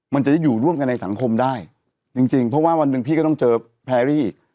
มันจะได้อยู่ร่วมกันในสังคมได้จริงจริงเพราะว่าวันหนึ่งพี่ก็ต้องเจอแพรรี่